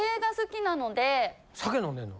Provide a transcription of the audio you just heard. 酒飲んでんの？